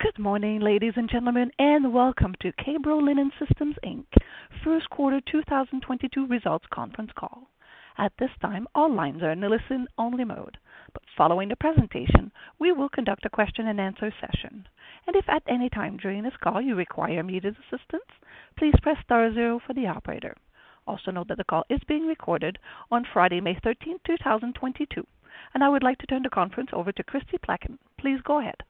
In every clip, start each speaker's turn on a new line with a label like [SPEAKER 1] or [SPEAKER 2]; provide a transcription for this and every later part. [SPEAKER 1] Good morning, ladies and gentlemen, and welcome to K-Bro Linen Inc. First Quarter 2022 Results Conference Call. At this time, all lines are in a listen-only mode. Following the presentation, we will conduct a question-and-answer session. If at any time during this call you require immediate assistance, please press star zero for the operator. Also note that the call is being recorded on Friday, May 13, 2022. I would like to turn the conference over to Kristie Plaquin. Please go ahead.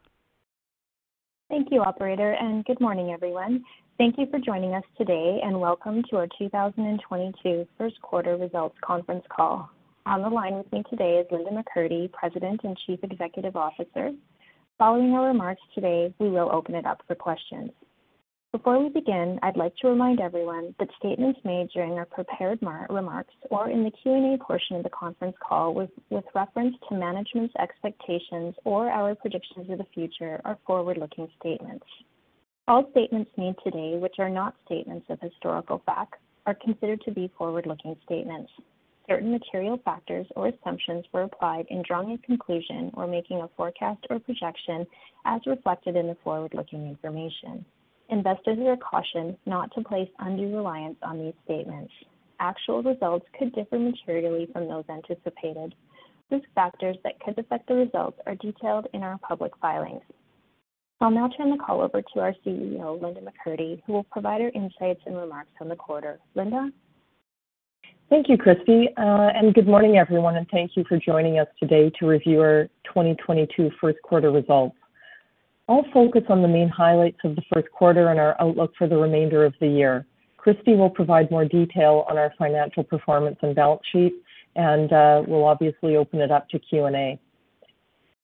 [SPEAKER 2] Thank you, operator, and good morning, everyone. Thank you for joining us today, and welcome to our 2022 First Quarter Results Conference Call. On the line with me today is Linda McCurdy, President and Chief Executive Officer. Following her remarks today, we will open it up for questions. Before we begin, I'd like to remind everyone that statements made during our prepared remarks or in the Q&A portion of the conference call with reference to management's expectations or our predictions of the future are forward-looking statements. All statements made today, which are not statements of historical fact, are considered to be forward-looking statements. Certain material factors or assumptions were applied in drawing a conclusion or making a forecast or projection as reflected in the forward-looking information. Investors are cautioned not to place undue reliance on these statements. Actual results could differ materially from those anticipated. Risk factors that could affect the results are detailed in our public filings. I'll now turn the call over to our CEO, Linda McCurdy, who will provide her insights and remarks on the quarter. Linda?
[SPEAKER 3] Thank you, Kristie. Good morning, everyone, and thank you for joining us today to review our 2022 first quarter results. I'll focus on the main highlights of the first quarter and our outlook for the remainder of the year. Kristie will provide more detail on our financial performance and balance sheet, and we'll obviously open it up to Q&A.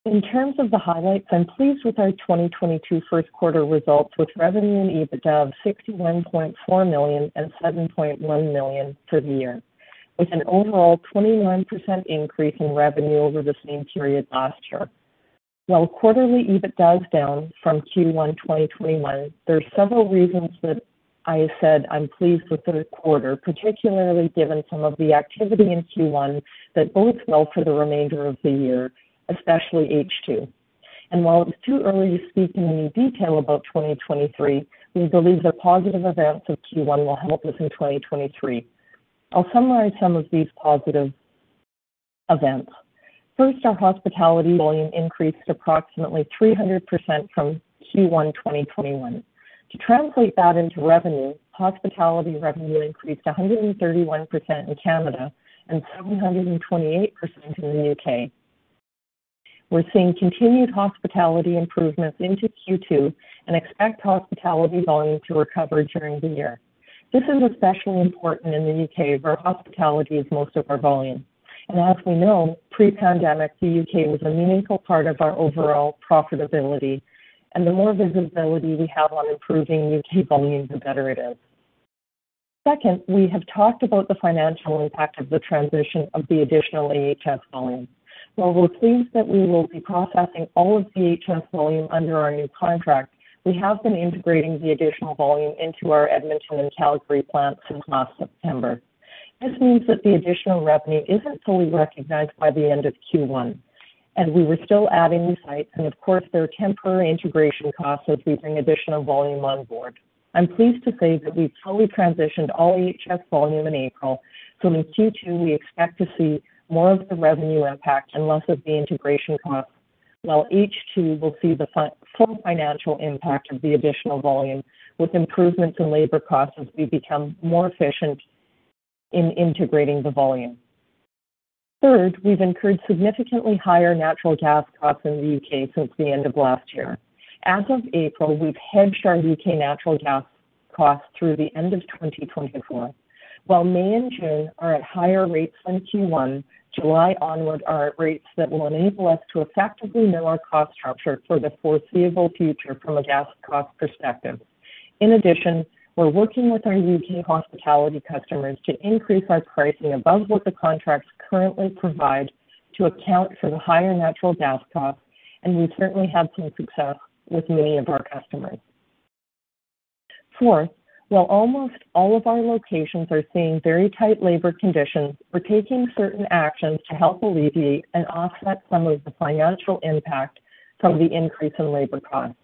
[SPEAKER 3] In terms of the highlights, I'm pleased with our 2022 first quarter results, with revenue and EBITDA of 61.4 million and 7.1 million for the year, with an overall 21% increase in revenue over the same period last year. While quarterly EBIT dives down from Q1 2021, there are several reasons that I said I'm pleased with the quarter, particularly given some of the activity in Q1 that bodes well for the remainder of the year, especially H2. While it's too early to speak in any detail about 2023, we believe the positive events of Q1 will help us in 2023. I'll summarize some of these positive events. First, our hospitality volume increased approximately 300% from Q1 2021. To translate that into revenue, hospitality revenue increased 131% in Canada and 728% in the U.K. We're seeing continued hospitality improvements into Q2 and expect hospitality volume to recover during the year. This is especially important in the U.K., where hospitality is most of our volume. As we know, pre-pandemic the U.K. was a meaningful part of our overall profitability. The more visibility we have on improving U.K. volumes, the better it is. Second, we have talked about the financial impact of the transition of the additional AHS volume. While we're pleased that we will be processing all of the AHS volume under our new contract, we have been integrating the additional volume into our Edmonton and Calgary plants since last September. This means that the additional revenue isn't fully recognized by the end of Q1, and we were still adding new sites. Of course, there are temporary integration costs as we bring additional volume on board. I'm pleased to say that we've totally transitioned all AHS volume in April. In Q2, we expect to see more of the revenue impact and less of the integration costs, while H2 will see the full financial impact of the additional volume with improvements in labor costs as we become more efficient in integrating the volume. Third, we've incurred significantly higher natural gas costs in the UK since the end of last year. As of April, we've hedged our U.K. natural gas costs through the end of 2024. While May and June are at higher rates than Q1, July onward are at rates that will enable us to effectively know our cost structure for the foreseeable future from a gas cost perspective. In addition, we're working with our U.K. hospitality customers to increase our pricing above what the contracts currently provide to account for the higher natural gas costs, and we've certainly had some success with many of our customers. Fourth, while almost all of our locations are seeing very tight labor conditions, we're taking certain actions to help alleviate and offset some of the financial impact from the increase in labor costs.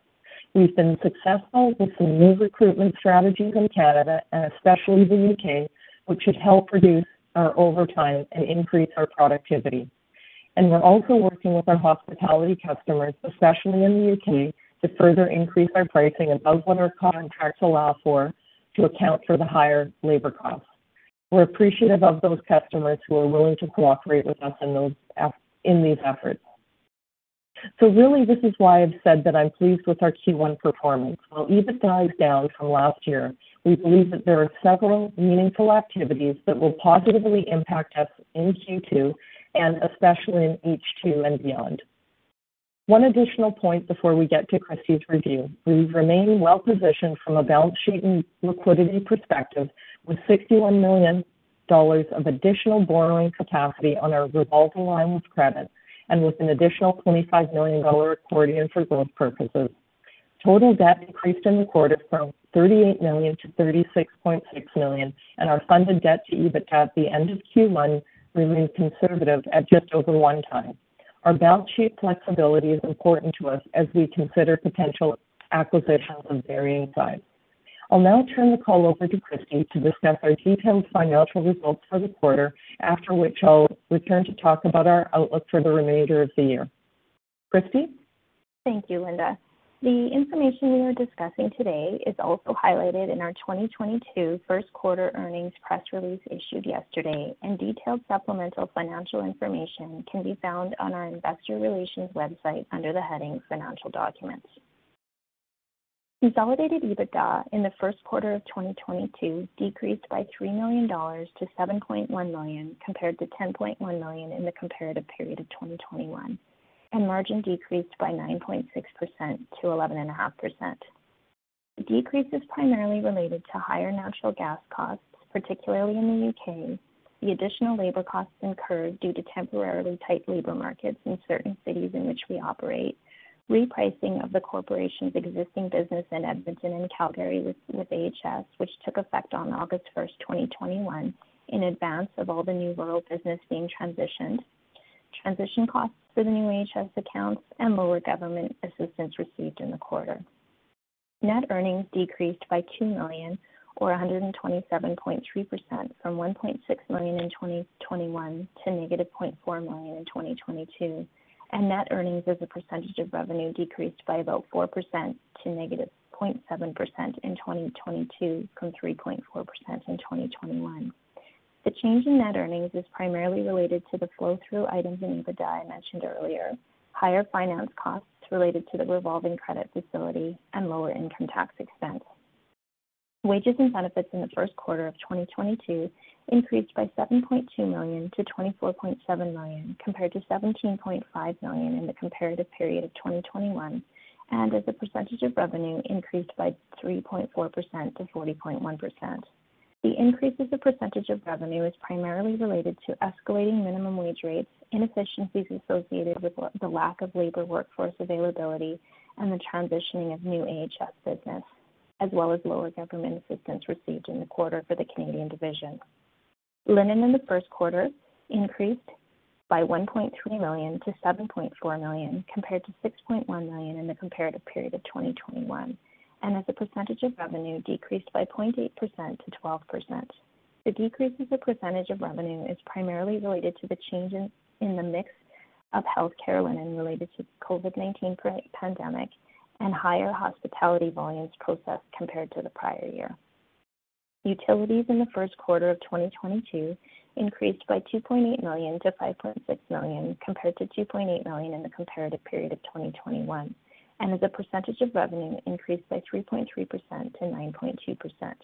[SPEAKER 3] We've been successful with some new recruitment strategies in Canada and especially the U.K., which should help reduce our overtime and increase our productivity. We're also working with our hospitality customers, especially in the U.K., to further increase our pricing above what our contracts allow for to account for the higher labor costs. We're appreciative of those customers who are willing to cooperate with us in these efforts. Really, this is why I've said that I'm pleased with our Q1 performance. While EBIT dives down from last year, we believe that there are several meaningful activities that will positively impact us in Q2 and especially in H2 and beyond. One additional point before we get to Kristie's review. We've remained well positioned from a balance sheet and liquidity perspective with 61 million dollars of additional borrowing capacity on our revolving line of credit and with an additional 25 million dollar accordion for growth purposes. Total debt increased in the quarter from 38 million-36.6 million, and our funded debt to EBIT at the end of Q1 remains conservative at just over 1x. Our balance sheet flexibility is important to us as we consider potential acquisitions of varying size. I'll now turn the call over to Kristie to discuss our detailed financial results for the quarter, after which I'll return to talk about our outlook for the remainder of the year. Kristie?
[SPEAKER 2] Thank you, Linda. The information we are discussing today is also highlighted in our 2022 first quarter earnings press release issued yesterday, and detailed supplemental financial information can be found on our investor relations website under the heading Financial Documents. Consolidated EBITDA in the first quarter of 2022 decreased by 3 million dollars- 7.1 million, compared to 10.1 million in the comparative period of 2021, and margin decreased by 9.6%-11.5%. The decrease is primarily related to higher natural gas costs, particularly in the U.K. The additional labor costs incurred due to temporarily tight labor markets in certain cities in which we operate. Repricing of the corporation's existing business in Edmonton and Calgary with AHS, which took effect on August 1, 2021, in advance of all the new rural business being transitioned. Transition costs for the new AHS accounts and lower government assistance received in the quarter. Net earnings decreased by 2 million or 127.3% from 1.6 million in 2021 to -0.4 million in 2022, and net earnings as a percentage of revenue decreased by about 4% to -0.7% in 2022 from 3.4% in 2021. The change in net earnings is primarily related to the flow-through items in EBITDA I mentioned earlier. Higher finance costs related to the revolving credit facility and lower income tax expense. Wages and benefits in the first quarter of 2022 increased by 7.2 million-24.7 million, compared to 17.5 million in the comparative period of 2021, and as a percentage of revenue increased by 3.4%-40.1%. The increase as a percentage of revenue is primarily related to escalating minimum wage rates, inefficiencies associated with the lack of labor workforce availability, and the transitioning of new AHS business, as well as lower government assistance received in the quarter for the Canadian division. Linen in the first quarter increased by 1.3 million-7.4 million, compared to 6.1 million in the comparative period of 2021, and as a percentage of revenue decreased by 0.8%-12%. The decrease as a percentage of revenue is primarily related to the change in the mix of healthcare linen related to the COVID-19 pandemic and higher hospitality volumes processed compared to the prior year. Utilities in the first quarter of 2022 increased by 2.8 million-5.6 million, compared to 2.8 million in the comparative period of 2021, and as a percentage of revenue increased by 3.3%-9.2%.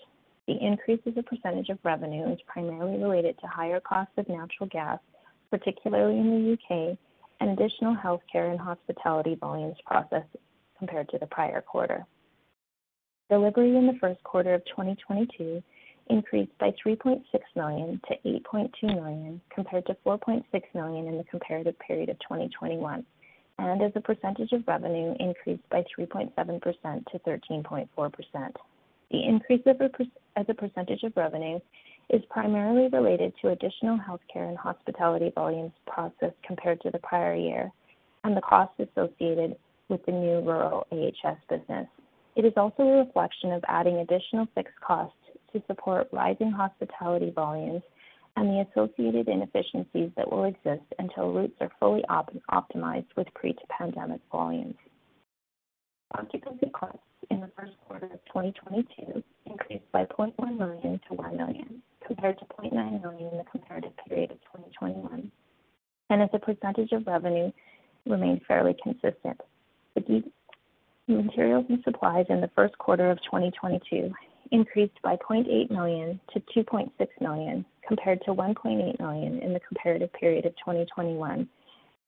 [SPEAKER 2] The increase as a percentage of revenue is primarily related to higher costs of natural gas, particularly in the U.K., and additional healthcare and hospitality volumes processed compared to the prior quarter. Delivery in the first quarter of 2022 increased by 3.6 million-8.2 million, compared to 4.6 million in the comparative period of 2021, and as a percentage of revenue increased by 3.7%-13.4%. The increase as a percentage of revenue is primarily related to additional healthcare and hospitality volumes processed compared to the prior year and the costs associated with the new rural AHS business. It is also a reflection of adding additional fixed costs to support rising hospitality volumes and the associated inefficiencies that will exist until routes are fully optimized with pre-pandemic volumes. Occupancy costs in the first quarter of 2022 increased by 0.1 million-1 million, compared to 0.9 million in the comparative period of 2021, and as a percentage of revenue remained fairly consistent. The materials and supplies in the first quarter of 2022 increased by 0.8 million -2.6 million, compared to 1.8 million in the comparative period of 2021,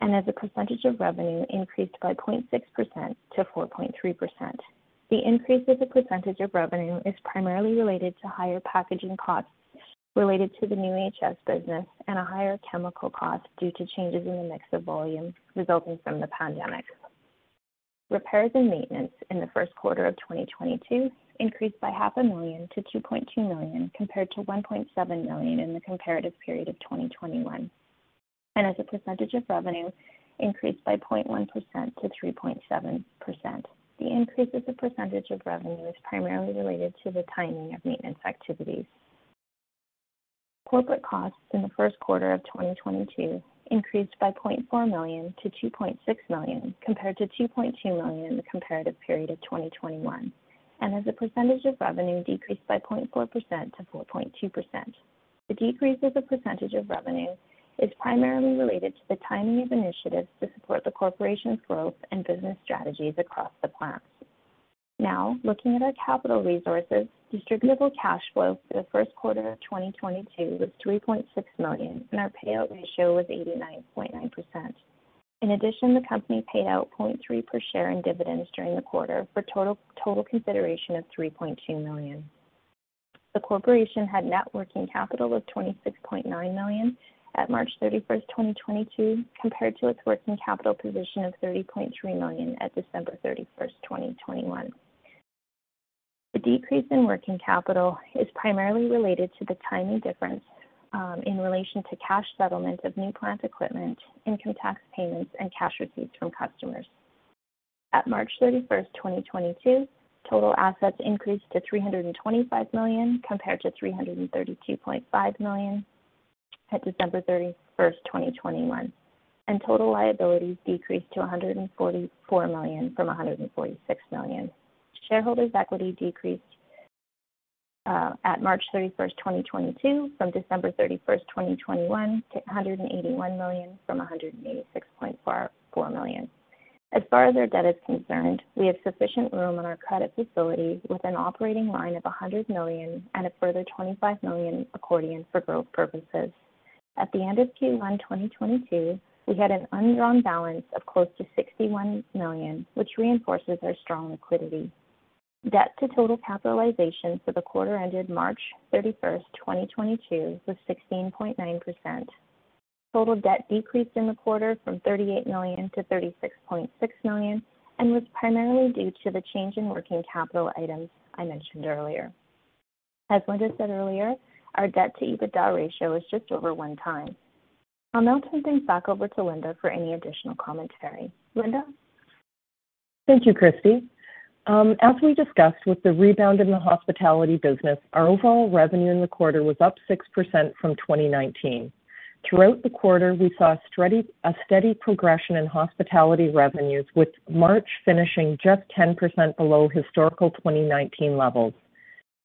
[SPEAKER 2] and as a percentage of revenue increased by 0.6%-4.3%. The increase as a percentage of revenue is primarily related to higher packaging costs related to the new AHS business and a higher chemical cost due to changes in the mix of volume resulting from the pandemic. Repairs and maintenance in the first quarter of 2022 increased by 0.5 million-CAD 2.2 million, compared to 1.7 million in the comparative period of 2021, and as a percentage of revenue increased by 0.1%-3.7%. The increase as a percentage of revenue is primarily related to the timing of maintenance activities. Corporate costs in the first quarter of 2022 increased by 0.4 million-2.6 million, compared to 2.2 million in the comparative period of 2021, and as a percentage of revenue decreased by 0.4% to 4.2%. The decrease as a percentage of revenue is primarily related to the timing of initiatives to support the corporation's growth and business strategies across the plants. Now, looking at our capital resources, distributable cash flow for the first quarter of 2022 was 3.6 million, and our payout ratio was 89.9%. In addition, the company paid out 0.3 per share in dividends during the quarter for total consideration of 3.2 million. The corporation had net working capital of 26.9 million at March 31, 2022, compared to its working capital position of 30.3 million at December 31, 2021. The decrease in working capital is primarily related to the timing difference in relation to cash settlements of new plant equipment, income tax payments, and cash receipts from customers. At March 31, 2022, total assets increased to 325 million compared to 332.5 million at December 31, 2021. Total liabilities decreased to 144 million from 146 million. Shareholders equity decreased at March 31, 2022 from December 31, 2021 to 181 million from 186.44 million. As far as our debt is concerned, we have sufficient room on our credit facility with an operating line of 100 million and a further 25 million accordion for growth purposes. At the end of Q1 2022, we had an undrawn balance of close to 61 million, which reinforces our strong liquidity. Debt to total capitalization for the quarter ended March 31, 2022 was 16.9%. Total debt decreased in the quarter from 38 million to 36.6 million, and was primarily due to the change in working capital items I mentioned earlier. As Linda said earlier, our debt to EBITDA ratio is just over 1x. I'll now turn things back over to Linda for any additional comments. Linda?
[SPEAKER 3] Thank you, Kristie. As we discussed with the rebound in the hospitality business, our overall revenue in the quarter was up 6% from 2019. Throughout the quarter, we saw a steady progression in hospitality revenues, with March finishing just 10% below historical 2019 levels.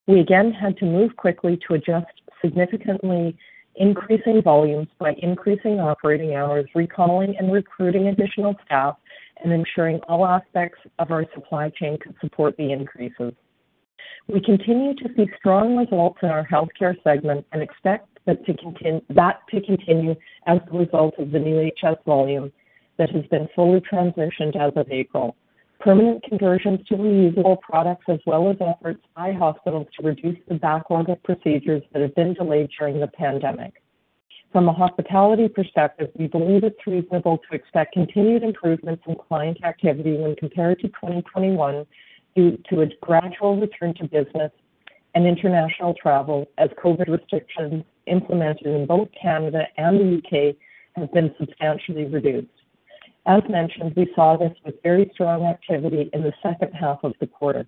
[SPEAKER 3] We again had to move quickly to adjust significantly increasing volumes by increasing operating hours, recalling and recruiting additional staff, and ensuring all aspects of our supply chain could support the increases. We continue to see strong results in our healthcare segment and expect that to continue as a result of the new AHS volume that has been fully transitioned as of April. Permanent conversions to reusable products as well as efforts by hospitals to reduce the backlog of procedures that have been delayed during the pandemic. From a hospitality perspective, we believe it's reasonable to expect continued improvements in client activity when compared to 2021, due to its gradual return to business and international travel as COVID-19 restrictions implemented in both Canada and the U.K. have been substantially reduced. As mentioned, we saw this with very strong activity in the second half of the quarter.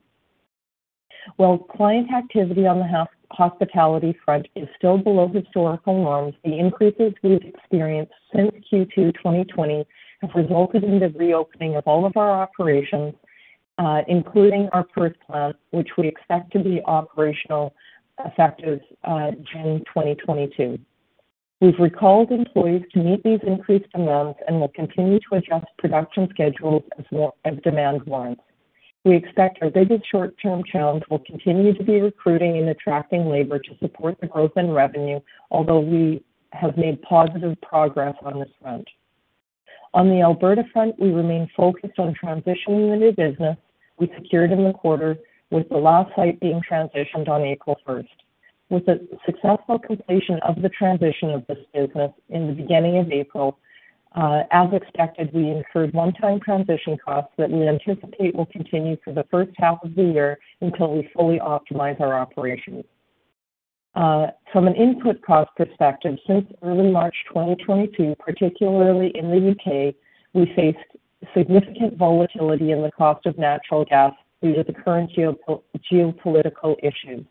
[SPEAKER 3] While client activity on the hospitality front is still below historical norms, the increases we've experienced since Q2 2020 have resulted in the reopening of all of our operations, including our Perth plant, which we expect to be operational effective June 2022. We've recalled employees to meet these increased demands and will continue to adjust production schedules as demand warrants. We expect our biggest short-term challenge will continue to be recruiting and attracting labor to support the growth in revenue although we have made positive progress on this front. On the Alberta front, we remain focused on transitioning the new business we secured in the quarter, with the last site being transitioned on April first. With the successful completion of the transition of this business in the beginning of April, as expected, we incurred one-time transition costs that we anticipate will continue through the first half of the year until we fully optimize our operations. From an input cost perspective, since early March 2022, particularly in the U.K., we faced significant volatility in the cost of natural gas due to the current geopolitical issues.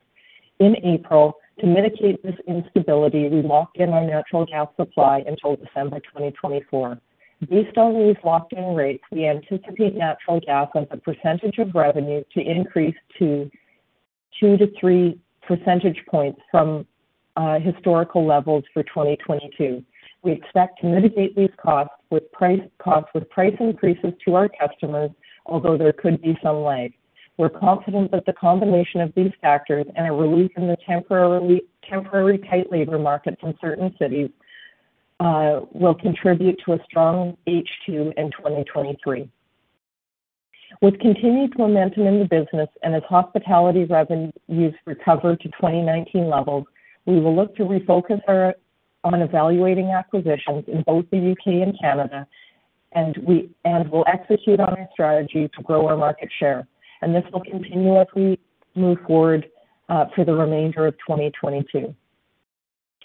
[SPEAKER 3] In April, to mitigate this instability, we locked in our natural gas supply until December 2024. Based on these locked in rates, we anticipate natural gas as a percentage of revenue to increase to two to three percentage points from historical levels for 2022. We expect to mitigate these costs with price increases to our customers although there could be some lag. We're confident that the combination of these factors and a relief in the temporary tight labor market in certain cities will contribute to a strong H2 in 2023. With continued momentum in the business and as hospitality revenues recover to 2019 levels, we will look to refocus on evaluating acquisitions in both the U.K. and Canada, and will execute on our strategy to grow our market share. This will continue as we move forward for the remainder of 2022.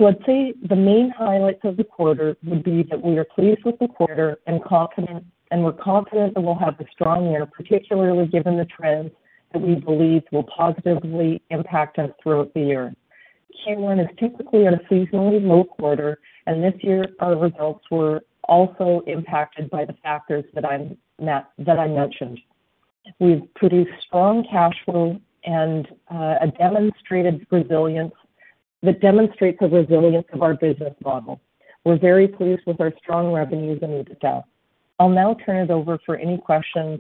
[SPEAKER 3] I'd say the main highlights of the quarter would be that we are pleased with the quarter and confident that we'll have a strong year, particularly given the trends that we believe will positively impact us throughout the year. Q1 is typically a seasonally low quarter, and this year our results were also impacted by the factors that I mentioned. We've produced strong cash flow and a demonstrated resilience that demonstrates the resilience of our business model. We're very pleased with our strong revenues and EBITDA. I'll now turn it over for any questions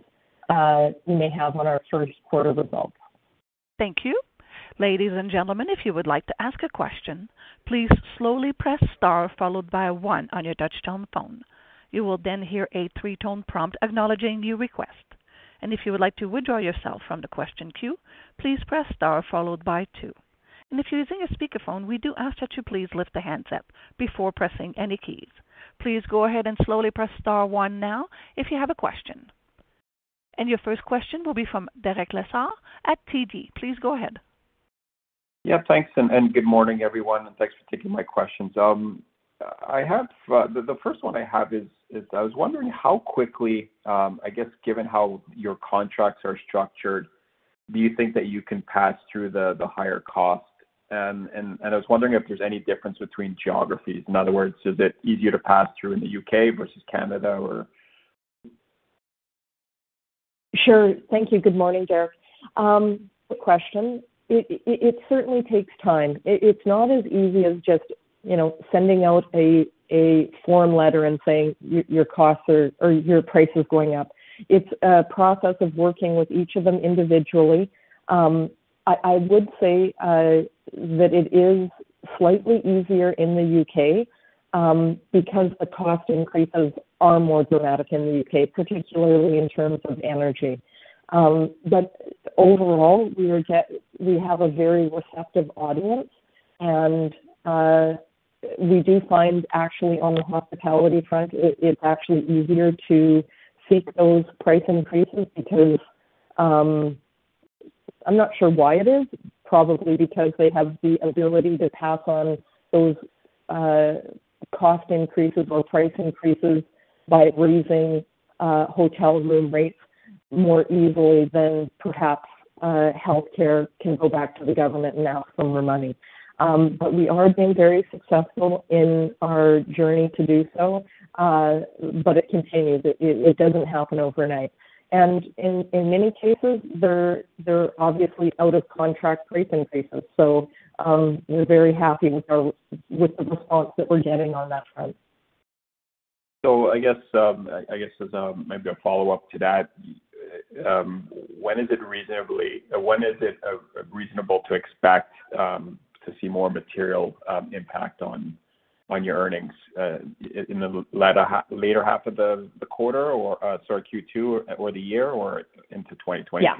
[SPEAKER 3] you may have on our first quarter results.
[SPEAKER 1] Thank you. Ladies and gentlemen, if you would like to ask a question, please slowly press star followed by a one on your touch-tone phone. You will then hear a three-tone prompt acknowledging your request. If you would like to withdraw yourself from the question queue, please press star followed by two. If you're using a speakerphone, we do ask that you please lift the handset before pressing any keys. Please go ahead and slowly press star one now if you have a question. Your first question will be from Derek Lessard at TD Cowen. Please go ahead.
[SPEAKER 4] Yeah, thanks and good morning, everyone. Thanks for taking my questions. I have the first one I have is I was wondering how quickly, I guess, given how your contracts are structured, do you think that you can pass through the higher cost? I was wondering if there's any difference between geographies. In other words, is it easier to pass through in the UK versus Canada or?
[SPEAKER 3] Sure. Thank you. Good morning, Derek. Question. It certainly takes time. It's not as easy as just, you know, sending out a form letter and saying your costs are or your price is going up. It's a process of working with each of them individually. I would say that it is slightly easier in the U.K. because the cost increases are more dramatic in the U.K., particularly in terms of energy. Overall, we have a very receptive audience and we do find actually on the hospitality front, it's actually easier to seek those price increases because I'm not sure why it is. Probably because they have the ability to pass on those cost increases or price increases by raising hotel room rates more easily than perhaps healthcare can go back to the government and ask for more money. We are being very successful in our journey to do so, but it continues. It doesn't happen overnight. In many cases, they're obviously out of contract price increases. We're very happy with the response that we're getting on that front.
[SPEAKER 4] I guess as maybe a follow-up to that, when is it reasonable to expect to see more material impact on your earnings in the later half of the quarter or Q2 or the year or into 2023?
[SPEAKER 3] Yeah.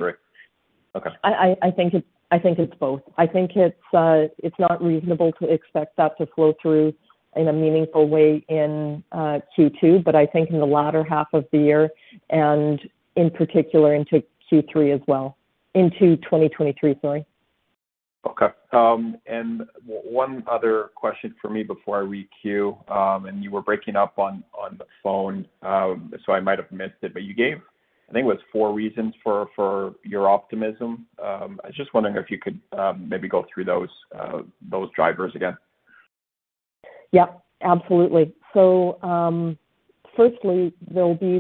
[SPEAKER 4] Okay.
[SPEAKER 3] I think it's both. I think it's not reasonable to expect that to flow through in a meaningful way in Q2, but I think in the latter half of the year and in particular into Q3 as well. Into 2023, sorry.
[SPEAKER 4] Okay. One other question from me before I requeue. You were breaking up on the phone, so I might have missed it, but you gave, I think it was four reasons for your optimism. I was just wondering if you could maybe go through those drivers again.
[SPEAKER 3] Yeah, absolutely. Firstly, there'll be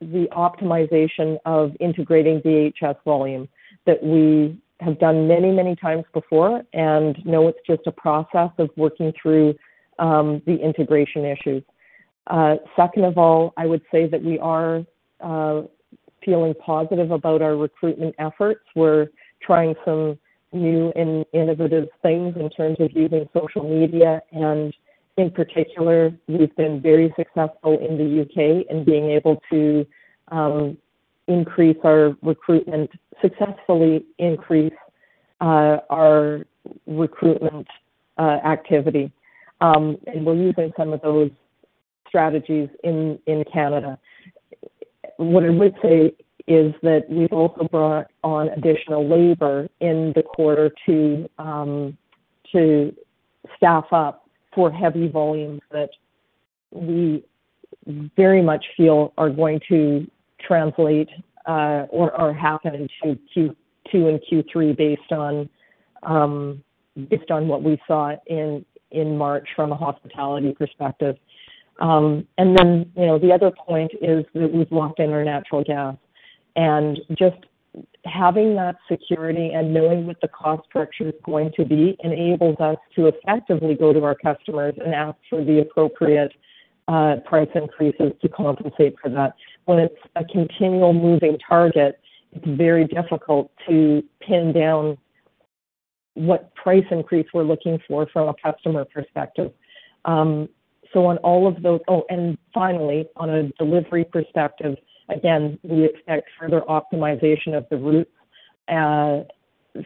[SPEAKER 3] the optimization of integrating AHS volume that we have done many times before and know it's just a process of working through the integration issues. Second of all, I would say that we are feeling positive about our recruitment efforts. We're trying some new and innovative things in terms of using social media, and in particular, we've been very successful in the U.K. in being able to successfully increase our recruitment activity. And we're using some of those strategies in Canada. What I would say is that we've also brought on additional labor in the quarter to staff up for heavy volumes that we very much feel are going to happen in Q2 and Q3 based on what we saw in March from a hospitality perspective. Then, you know, the other point is that we've locked in our natural gas. Just having that security and knowing what the cost structure is going to be enables us to effectively go to our customers and ask for the appropriate price increases to compensate for that. When it's a continual moving target, it's very difficult to pin down what price increase we're looking for from a customer perspective. On all of those, oh, and finally, on a delivery perspective, again, we expect further optimization of the route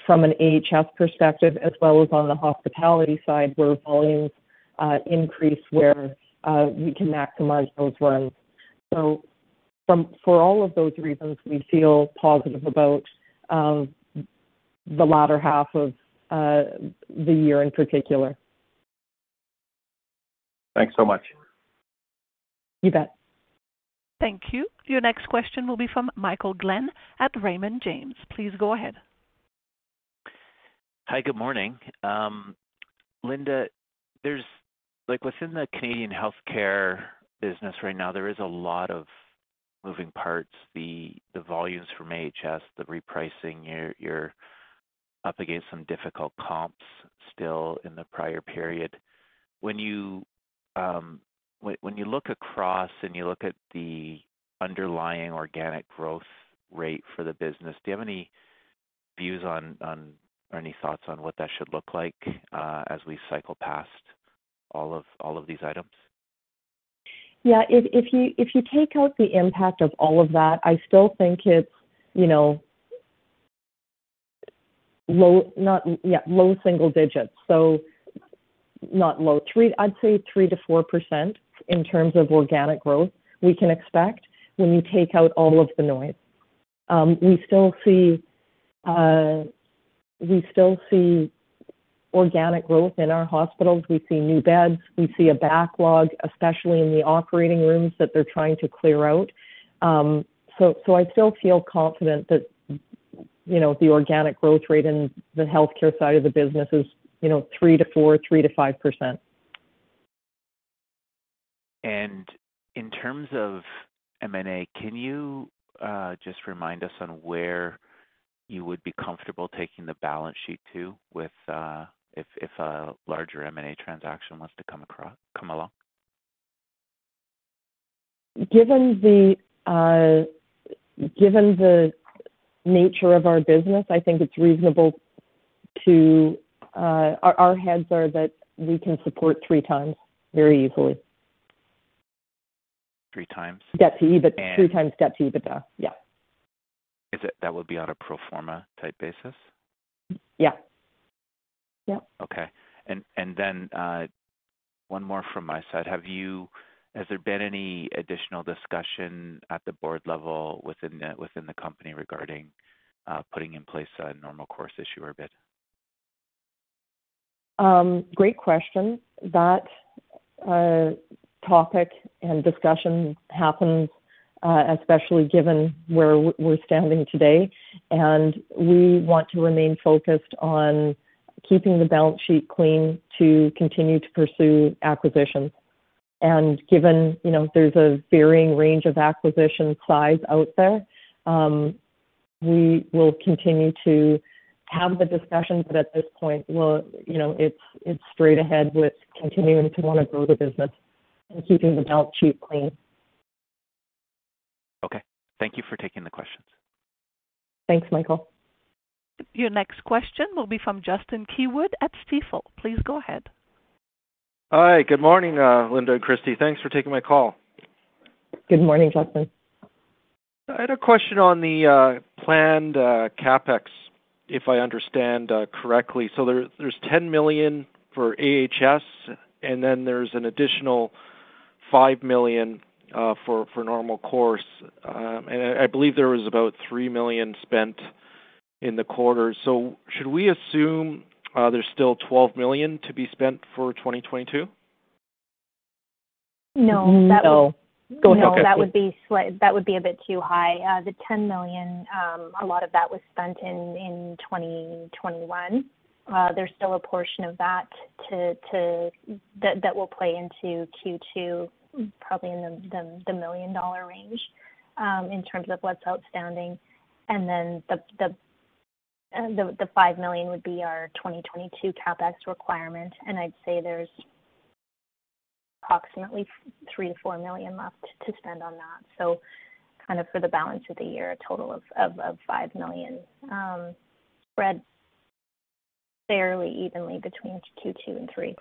[SPEAKER 3] from an AHS perspective, as well as on the hospitality side, where volumes increase where we can maximize those runs. For all of those reasons, we feel positive about the latter half of the year in particular.
[SPEAKER 4] Thanks so much.
[SPEAKER 3] You bet.
[SPEAKER 1] Thank you. Your next question will be from Michael Glen at Raymond James. Please go ahead.
[SPEAKER 5] Hi, good morning. Linda, there's like within the Canadian healthcare business right now, there is a lot of moving parts. The volumes from AHS, the repricing, you're up against some difficult comps still in the prior period. When you look across and you look at the underlying organic growth rate for the business, do you have any views on or any thoughts on what that should look like, as we cycle past all of these items?
[SPEAKER 3] Yeah, if you take out the impact of all of that, I still think it's, you know, low single digits. I'd say 3%-4% in terms of organic growth we can expect when you take out all of the noise. We still see organic growth in our hospitals. We see new beds, we see a backlog, especially in the operating rooms that they're trying to clear out. I still feel confident that, you know, the organic growth rate in the healthcare side of the business is, you know, 3%-4%, 3%-5%.
[SPEAKER 5] In terms of M&A, can you just remind us on where you would be comfortable taking the balance sheet to with if a larger M&A transaction was to come along?
[SPEAKER 3] Given the nature of our business, I think it's reasonable to. Our bet is that we can support three times very easily.
[SPEAKER 5] 3x?
[SPEAKER 3] Debt to EBITDA.
[SPEAKER 5] And-
[SPEAKER 3] 3x debt to EBITDA, yeah.
[SPEAKER 5] Is it that would be on a pro forma type basis?
[SPEAKER 3] Yeah. Yep.
[SPEAKER 5] Okay. Then, one more from my side. Has there been any additional discussion at the board level within the company regarding putting in place a Normal Course Issuer Bid?
[SPEAKER 3] Great question. That topic and discussion happens, especially given where we're standing today, and we want to remain focused on keeping the balance sheet clean to continue to pursue acquisitions. Given, you know, there's a varying range of acquisition size out there, we will continue to have the discussions, but at this point, we'll, you know, it's straight ahead with continuing to wanna grow the business and keeping the balance sheet clean.
[SPEAKER 5] Okay. Thank you for taking the questions.
[SPEAKER 3] Thanks, Michael.
[SPEAKER 1] Your next question will be from Justin Keywood at Stifel. Please go ahead.
[SPEAKER 6] Hi. Good morning, Linda and Kristie. Thanks for taking my call.
[SPEAKER 3] Good morning, Justin.
[SPEAKER 6] I had a question on the planned CapEx, if I understand correctly. There's 10 million for AHS, and then there's an additional 5 million for normal course. I believe there was about 3 million spent in the quarter. Should we assume there's still 12 million to be spent for 2022?
[SPEAKER 2] No.
[SPEAKER 3] No.
[SPEAKER 2] That would-
[SPEAKER 3] Go ahead, Kristie.
[SPEAKER 2] No, that would be slight. That would be a bit too high. The 10 million, a lot of that was spent in 2021. There's still a portion of that that will play into Q2, probably in the 1 million dollar range, in terms of what's outstanding. Then the 5 million would be our 2022 CapEx requirement, and I'd say there's approximately 3 million-4 million left to spend on that. Kind of for the balance of the year, a total of 5 million, spread fairly evenly between Q2 and Q3.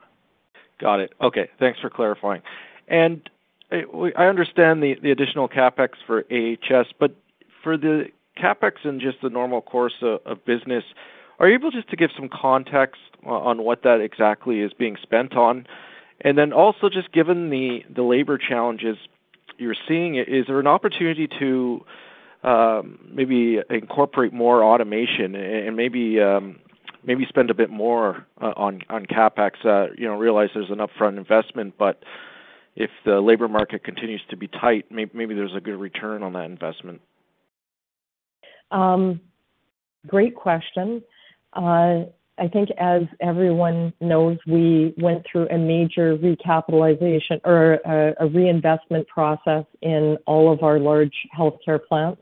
[SPEAKER 6] Got it. Okay. Thanks for clarifying. I understand the additional CapEx for AHS, but for the CapEx in just the normal course of business, are you able just to give some context on what that exactly is being spent on? Then also just given the labor challenges you're seeing, is there an opportunity to maybe incorporate more automation and maybe spend a bit more on CapEx? You know, realize there's an upfront investment, but if the labor market continues to be tight, maybe there's a good return on that investment.
[SPEAKER 3] Great question. I think as everyone knows, we went through a major recapitalization or a reinvestment process in all of our large healthcare plants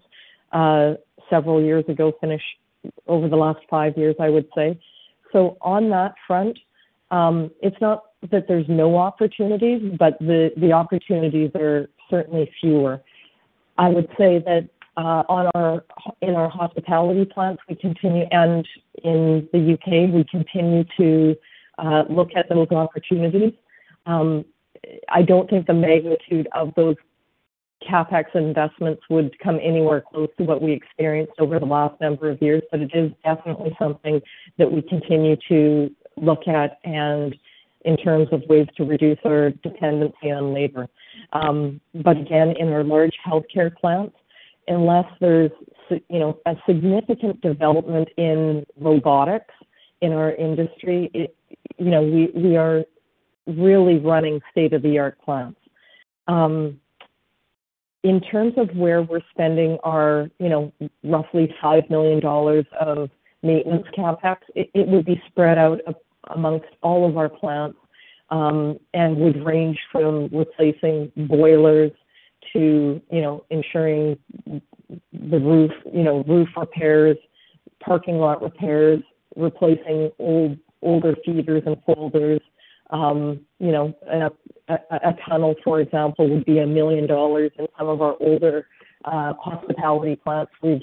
[SPEAKER 3] several years ago, finished over the last five years, I would say. On that front, it's not that there's no opportunities, but the opportunities are certainly fewer. I would say that in our hospitality plants and in the U.K., we continue to look at those opportunities. I don't think the magnitude of those CapEx investments would come anywhere close to what we experienced over the last number of years, but it is definitely something that we continue to look at and in terms of ways to reduce our dependency on labor. Again, in our large healthcare plants, unless there's you know, a significant development in robotics in our industry, you know, we are really running state-of-the-art plants. In terms of where we're spending our, you know, roughly 5 million dollars of maintenance CapEx, it would be spread out among all of our plants, and would range from replacing boilers to, you know, ensuring the roof, you know, roof repairs, parking lot repairs, replacing older feeders and folders. A tunnel, for example, would be 1 million dollars. In some of our older hospitality plants, we've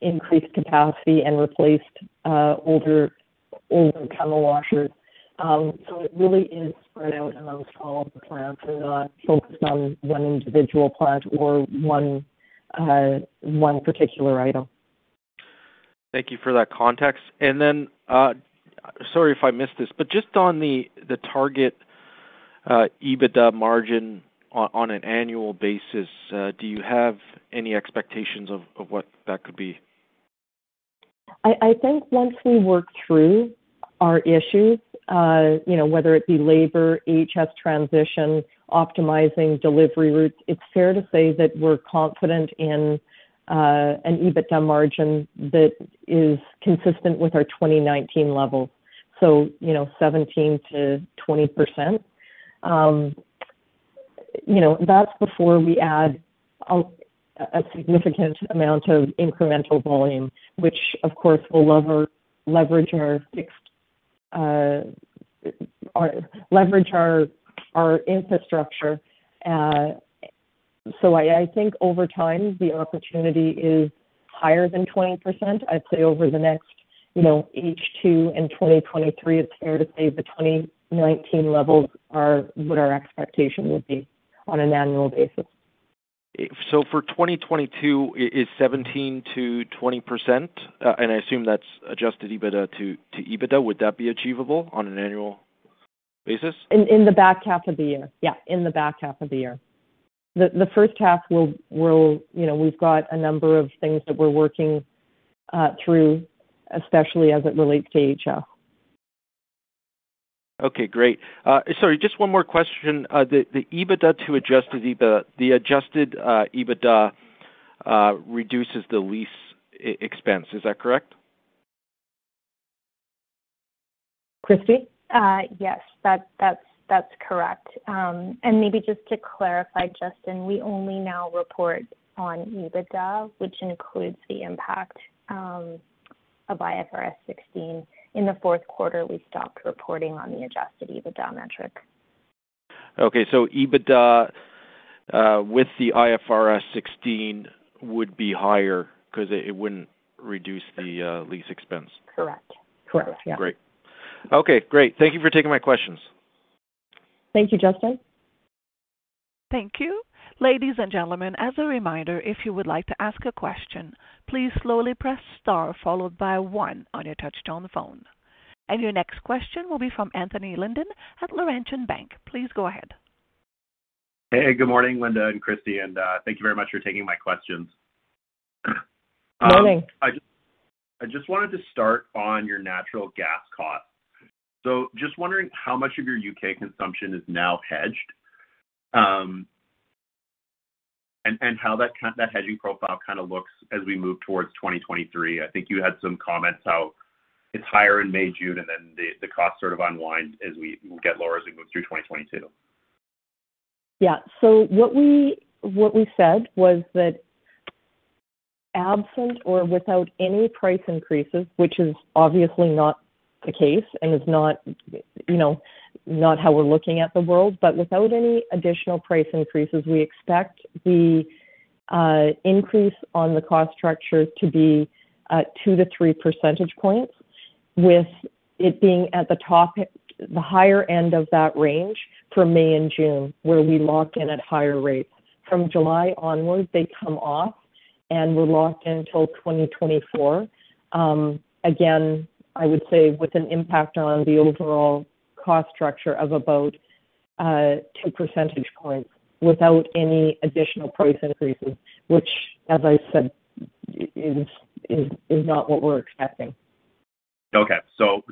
[SPEAKER 3] increased capacity and replaced older tunnel washers. It really is spread out among all of the plants and not focused on one individual plant or one particular item.
[SPEAKER 6] Thank you for that context. Sorry if I missed this, but just on the target EBITDA margin on an annual basis, do you have any expectations of what that could be?
[SPEAKER 3] I think once we work through our issues, you know, whether it be labor, AHS transition, optimizing delivery routes, it's fair to say that we're confident in an EBITDA margin that is consistent with our 2019 level. You know, 17%-20%. You know, that's before we add a significant amount of incremental volume, which of course will leverage our fixed infrastructure. I think over time, the opportunity is higher than 20%. I'd say over the next, you know, H2 in 2023, it's fair to say the 2019 levels are what our expectation would be on an annual basis.
[SPEAKER 6] For 2022 it is 17%-20%, and I assume that's Adjusted EBITDA to EBITDA. Would that be achievable on an annual basis?
[SPEAKER 3] In the back half of the year. Yeah, in the back half of the year. The first half will, you know, we've got a number of things that we're working through, especially as it relates to EHL.
[SPEAKER 6] Okay, great. Sorry, just one more question. The EBITDA to Adjusted EBITDA, the Adjusted EBITDA, reduces the lease expense. Is that correct?
[SPEAKER 3] Kristie?
[SPEAKER 2] Yes, that's correct. Maybe just to clarify, Justin, we only now report on EBITDA, which includes the impact of IFRS 16. In the fourth quarter, we stopped reporting on the Adjusted EBITDA metric.
[SPEAKER 6] EBITDA with the IFRS 16 would be higher 'cause it wouldn't reduce the lease expense.
[SPEAKER 2] Correct. Yeah.
[SPEAKER 6] Great. Okay, great. Thank you for taking my questions.
[SPEAKER 3] Thank you, Justin.
[SPEAKER 1] Thank you. Ladies and gentlemen, as a reminder, if you would like to ask a question, please slowly press star followed by one on your touchtone phone. Your next question will be from Anthony Linton at Laurentian Bank. Please go ahead.
[SPEAKER 7] Hey, good morning, Linda and Kristie, and thank you very much for taking my questions.
[SPEAKER 3] Morning.
[SPEAKER 7] I just wanted to start on your natural gas costs. Just wondering how much of your U.K. consumption is now hedged, and how that hedging profile kinda looks as we move towards 2023. I think you had some comments how it's higher in May, June, and then the cost sort of unwinds will get lower as we move through 2022.
[SPEAKER 3] Yeah. What we said was that absent or without any price increases, which is obviously not the case and is not, you know, not how we're looking at the world, but without any additional price increases, we expect the increase on the cost structure to be two to three percentage points, with it being at the top, the higher end of that range for May and June, where we lock in at higher rates. From July onwards, they come off and we're locked in till 2024. Again, I would say with an impact on the overall cost structure of about two percentage points without any additional price increases, which as I said, is not what we're expecting.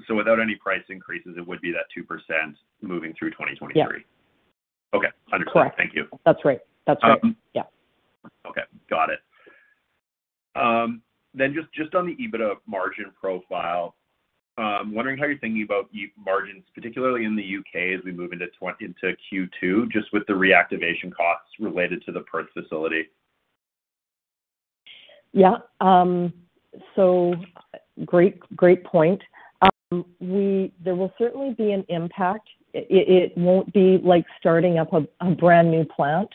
[SPEAKER 7] Without any price increases, it would be that 2% moving through 2023.
[SPEAKER 3] Yeah.
[SPEAKER 7] Okay. Understood.
[SPEAKER 3] Correct.
[SPEAKER 7] Thank you.
[SPEAKER 3] That's right. That's right.
[SPEAKER 7] Um.
[SPEAKER 3] Yeah.
[SPEAKER 7] Got it. Just on the EBITDA margin profile, wondering how you're thinking about margins, particularly in the UK as we move into Q2, just with the reactivation costs related to the Perth facility.
[SPEAKER 3] Yeah. Great point. There will certainly be an impact. It won't be like starting up a brand new plant.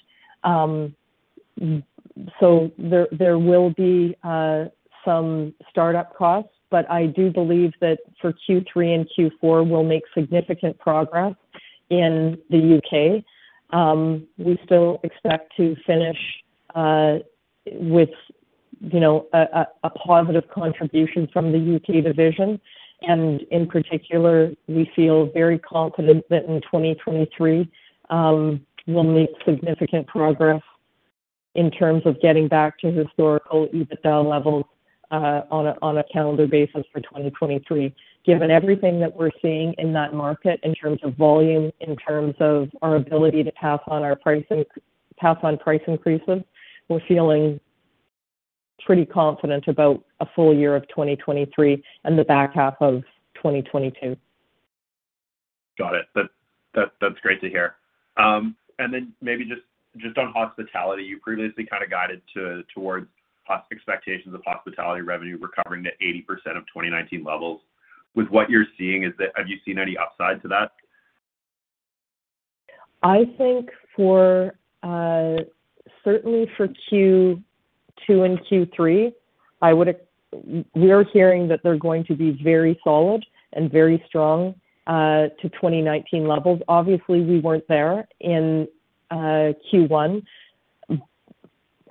[SPEAKER 3] There will be some start-up costs. I do believe that for Q3 and Q4, we'll make significant progress in the UK. We still expect to finish with, you know, a positive contribution from the UK division. In particular, we feel very confident that in 2023, we'll make significant progress in terms of getting back to historical EBITDA levels, on a calendar basis for 2023. Given everything that we're seeing in that market in terms of volume, in terms of our ability to pass on price increases, we're feeling pretty confident about a full year of 2023 and the back half of 2022.
[SPEAKER 7] Got it. That's great to hear. Maybe just on hospitality, you previously kind of guided towards expectations of hospitality revenue recovering to 80% of 2019 levels. With what you're seeing, have you seen any upside to that?
[SPEAKER 3] I think for certainly for Q2 and Q3, we are hearing that they're going to be very solid and very strong to 2019 levels. Obviously, we weren't there in Q1.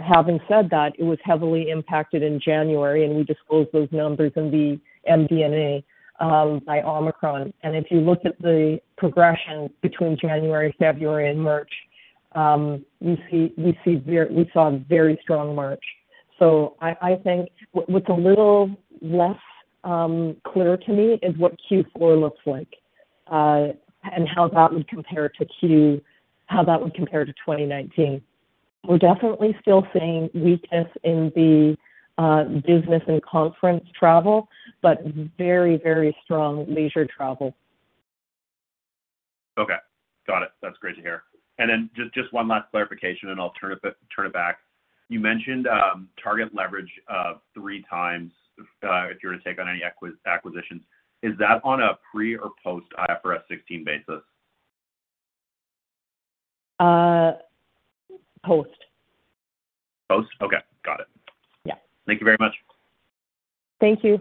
[SPEAKER 3] Having said that, it was heavily impacted in January, and we disclosed those numbers in the MD&A by Omicron. If you look at the progression between January, February, and March, we saw a very strong March. I think what's a little less clear to me is what Q4 looks like, and how that would compare to 2019. We're definitely still seeing weakness in the business and conference travel, but very, very strong leisure travel.
[SPEAKER 7] Okay. Got it. That's great to hear. Just one last clarification, and I'll turn it back. You mentioned target leverage of 3x if you were to take on any acquisitions. Is that on a pre or post IFRS 16 basis?
[SPEAKER 3] Post.
[SPEAKER 7] Post? Okay. Got it.
[SPEAKER 3] Yeah.
[SPEAKER 7] Thank you very much.
[SPEAKER 3] Thank you.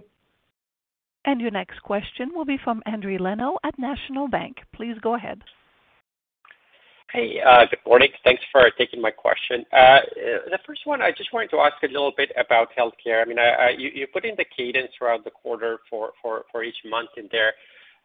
[SPEAKER 1] Your next question will be from Endri Leno at National Bank. Please go ahead.
[SPEAKER 8] Hey, good morning. Thanks for taking my question. The first one, I just wanted to ask a little bit about healthcare. I mean, you put in the cadence throughout the quarter for each month in there.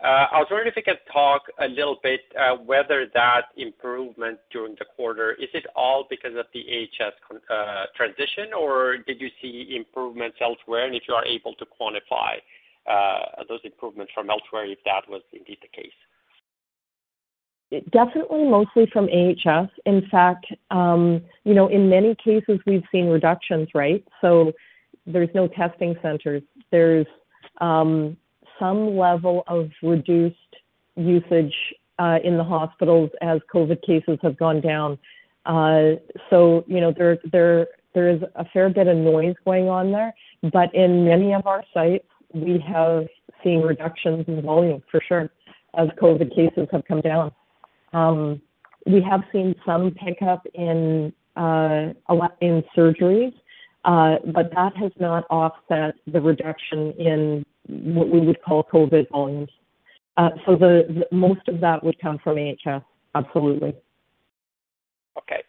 [SPEAKER 8] I was wondering if you could talk a little bit whether that improvement during the quarter is it all because of the AHS transition, or did you see improvements elsewhere, and if you are able to quantify those improvements from elsewhere, if that was indeed the case?
[SPEAKER 3] Definitely mostly from AHS. In fact, you know, in many cases we've seen reductions, right? There's no testing centers. There's some level of reduced usage in the hospitals as COVID cases have gone down. You know, there is a fair bit of noise going on there. In many of our sites, we have seen reductions in volume for sure, as COVID cases have come down. We have seen some pickup in surgeries, but that has not offset the reduction in what we would call COVID volumes. Most of that would come from AHS. Absolutely.
[SPEAKER 8] Okay.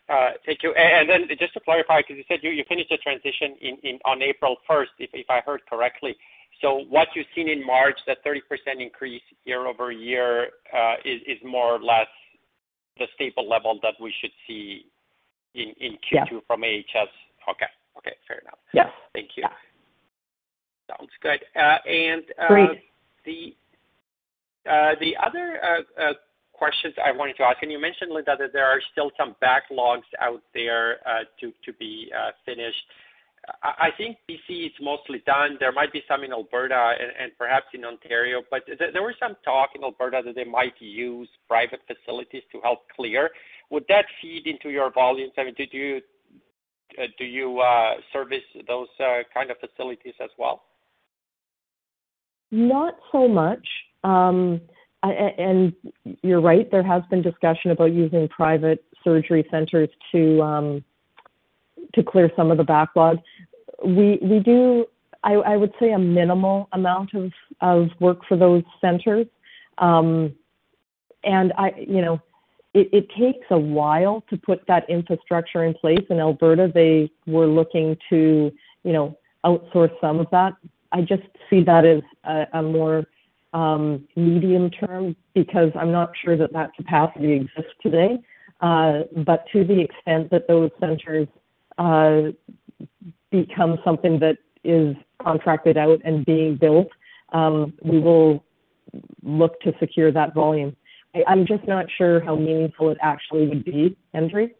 [SPEAKER 8] Thank you. And then just to clarify, 'cause you said you finished the transition in on April first, if I heard correctly. What you've seen in March, that 30% increase year-over-year, is more or less the stable level that we should see in Q2.
[SPEAKER 3] Yeah.
[SPEAKER 8] From AHS? Okay. Okay. Fair enough.
[SPEAKER 3] Yeah.
[SPEAKER 8] Thank you.
[SPEAKER 3] Yeah.
[SPEAKER 8] Sounds good.
[SPEAKER 3] Great.
[SPEAKER 8] The other questions I wanted to ask, and you mentioned, Linda, that there are still some backlogs out there to be finished. I think BC is mostly done. There might be some in Alberta and perhaps in Ontario, but there was some talk in Alberta that they might use private facilities to help clear. Would that feed into your volumes? I mean, do you service those kind of facilities as well?
[SPEAKER 3] Not so much. You're right, there has been discussion about using private surgery centers to clear some of the backlogs. We do, I would say, a minimal amount of work for those centers. You know, it takes a while to put that infrastructure in place. In Alberta, they were looking to, you know, outsource some of that. I just see that as a more medium term because I'm not sure that capacity exists today. To the extent that those centers become something that is contracted out and being built, we will look to secure that volume. I'm just not sure how meaningful it actually would be, Endri.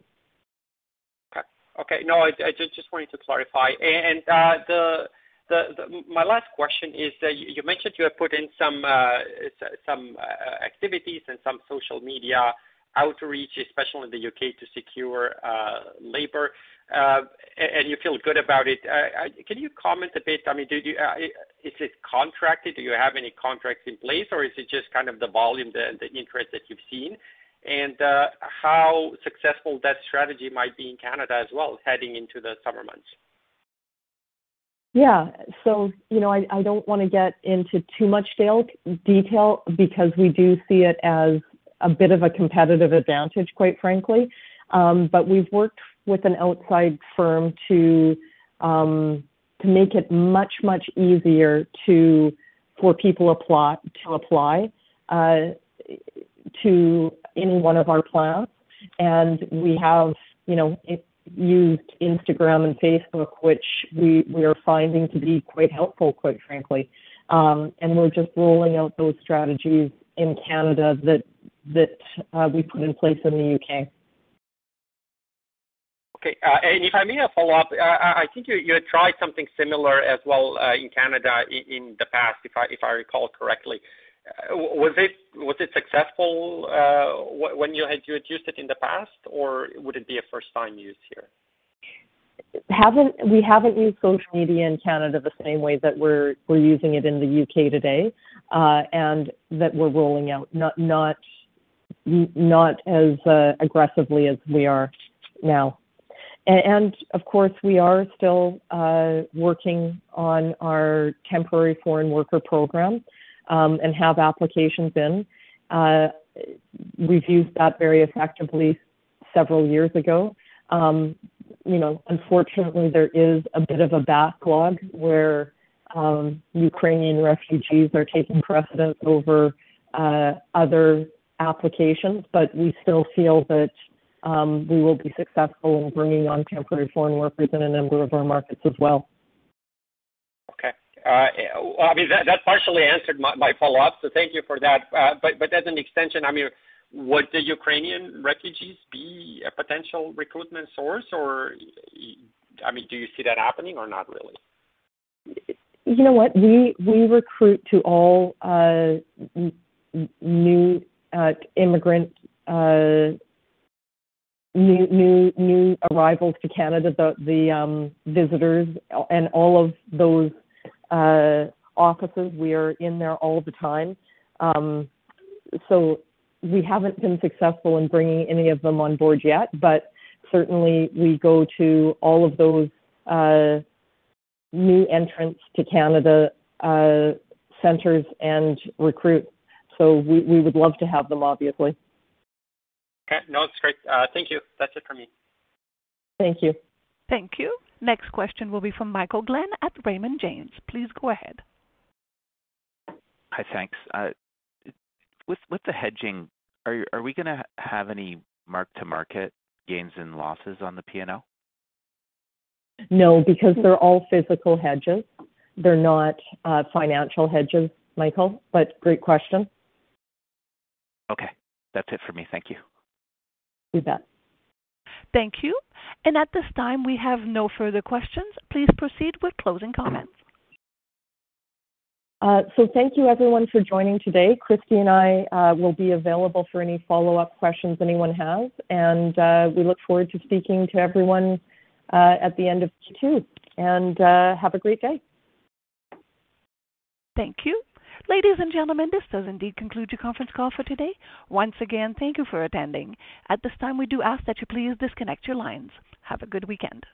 [SPEAKER 8] Okay. No, I just wanted to clarify. My last question is that you mentioned you have put in some activities and some social media outreach, especially in the UK, to secure labor, and you feel good about it. Can you comment a bit? I mean, is it contracted? Do you have any contracts in place, or is it just kind of the volume, the interest that you've seen? How successful that strategy might be in Canada as well heading into the summer months?
[SPEAKER 3] Yeah. You know, I don't wanna get into too much detail because we do see it as a bit of a competitive advantage, quite frankly. We've worked with an outside firm to make it much easier for people to apply to any one of our plans. We have, you know, used Instagram and Facebook, which we are finding to be quite helpful, quite frankly. We're just rolling out those strategies in Canada that we put in place in the UK.
[SPEAKER 8] Okay. If I may follow up, I think you had tried something similar as well in Canada in the past, if I recall correctly. Was it successful when you had used it in the past, or would it be a first-time use here?
[SPEAKER 3] We haven't used social media in Canada the same way that we're using it in the UK today, and that we're rolling out not as aggressively as we are now. Of course, we are still working on our Temporary Foreign Worker Program and have applications in. We've used that very effectively several years ago. You know, unfortunately, there is a bit of a backlog where Ukrainian refugees are taking precedence over other applications. We still feel that we will be successful in bringing on temporary foreign workers in a number of our markets as well.
[SPEAKER 8] Okay. Obviously that partially answered my follow-up, so thank you for that. As an extension, I mean, would the Ukrainian refugees be a potential recruitment source or, I mean, do you see that happening or not really?
[SPEAKER 3] You know what? We recruit to all new immigrant new arrivals to Canada. The visitors and all of those offices. We are in there all the time. We haven't been successful in bringing any of them on board yet, but certainly we go to all of those new entrants to Canada centers and recruit. We would love to have them, obviously.
[SPEAKER 8] Okay. No, it's great. Thank you. That's it for me.
[SPEAKER 3] Thank you.
[SPEAKER 1] Thank you. Next question will be from Michael Glen at Raymond James. Please go ahead.
[SPEAKER 5] Hi. Thanks. With the hedging, are we gonna have any mark-to-market gains and losses on the P&L?
[SPEAKER 3] No, because they're all physical hedges. They're not, financial hedges, Michael, but great question.
[SPEAKER 5] Okay. That's it for me. Thank you.
[SPEAKER 3] You bet.
[SPEAKER 1] Thank you. At this time, we have no further questions. Please proceed with closing comments.
[SPEAKER 3] Thank you everyone for joining today. Kristie and I will be available for any follow-up questions anyone has, and we look forward to speaking to everyone at the end of Q2. Have a great day.
[SPEAKER 1] Thank you. Ladies and gentlemen, this does indeed conclude your conference call for today. Once again, thank you for attending. At this time, we do ask that you please disconnect your lines. Have a good weekend.